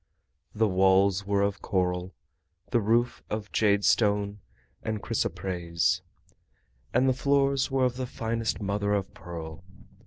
The walls were of coral, the roof of jadestone and chrysoprase, and the floors were of the finest mother of pearl.